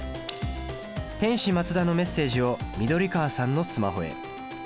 天使マツダのメッセージを緑川さんのスマホへ。